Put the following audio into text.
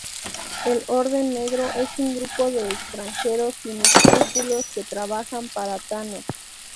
El Orden Negro es un grupo de extranjeros sin escrúpulos que trabajan para Thanos.